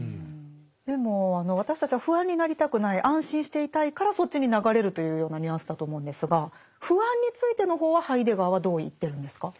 でもあの私たちは不安になりたくない安心していたいからそっちに流れるというようなニュアンスだと思うんですが「不安」についての方はハイデガーはどう言ってるんですか？